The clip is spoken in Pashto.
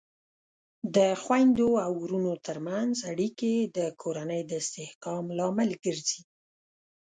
د خویندو او ورونو ترمنځ اړیکې د کورنۍ د استحکام لامل ګرځي.